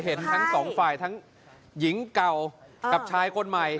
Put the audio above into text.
เห็นทั้งสองฝ่ายงเก่ากับชายคนใหม่